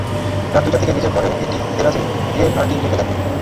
রাত দুইটার দিকে নিজের ঘরের একটি দেরাজে হিরের হারটি রেখে দেন তিনি।